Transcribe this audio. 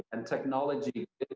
dan teknologi memberi kita